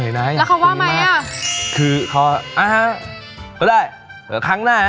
แล้วเขาว่าไงอ่ะคือเขาอ่าก็ได้เดี๋ยวครั้งหน้าน่ะ